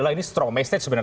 ini strong message sebenarnya